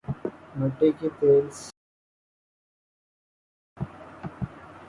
مٹی کے تیل سے خش